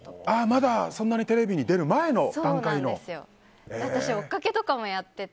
まだ、そんなにテレビに出る前の段階の？